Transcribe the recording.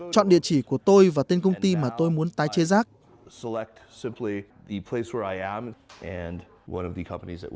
chọn địa chỉ của tôi và tên công ty mà tôi muốn tái chế rác